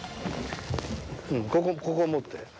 ここここ持って。